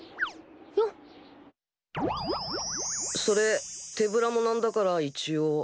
それ手ぶらも何だから一応。